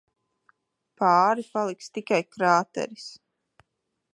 Pāri paliks tikai krāteris.